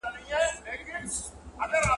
کږه غاړه توره هم نسي وهلاى.